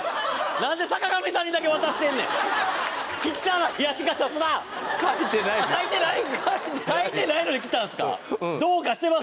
何で坂上さんにだけ渡してんねん書いてないのにきたんですか？